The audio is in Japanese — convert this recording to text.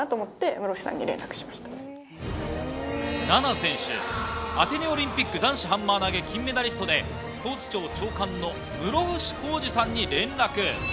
菜那選手、アテネオリンピック男子ハンマー投げ金メダリストでスポーツ庁長官の室伏広治さんに連絡。